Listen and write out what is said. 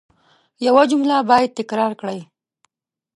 یو جمله باید تکرار کړئ.